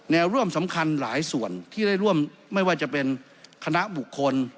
ร่วมสำคัญหลายส่วนที่ได้ร่วมไม่ว่าจะเป็นคณะบุคคล